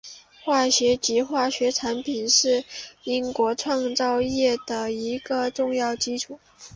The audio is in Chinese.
化学及化学产品是英国制造业的另一个重要基础。